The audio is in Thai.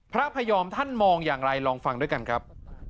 พระพยอมท่านมองอย่างไรลองฟังด้วยกันครับ